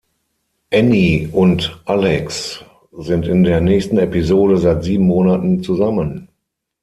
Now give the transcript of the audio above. Annie und Alex sind in der nächsten Episode seit sieben Monaten zusammen.